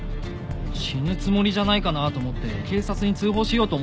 死ぬつもりじゃないかなと思って警察に通報しようと思ったんですよ。